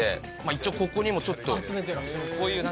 一応ここにもちょっと。